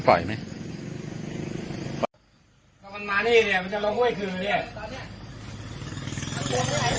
กลับมาสะพานมีด้านที่มีกลับมา